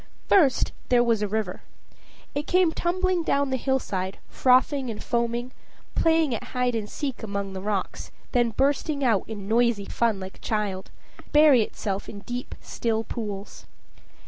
First, there was a river. It came tumbling down the hillside, frothing and foaming, playing at hide and seek among the rocks, then bursting out in noisy fun like a child, to bury itself in deep, still pools.